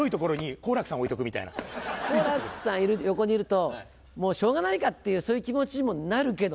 好楽さん横にいると「もうしょうがないか」っていうそういう気持ちにもなるけどね。